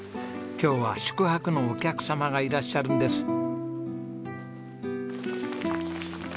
今日は宿泊のお客様がいらっしゃるんです。